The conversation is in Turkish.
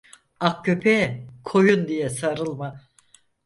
Ak köpeğe koyun diye sarılma.